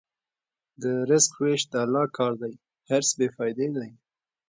د رزق وېش د الله کار دی، حرص بېفایده دی.